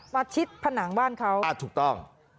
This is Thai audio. ชิดผนังบ้านเขาถูกต้อง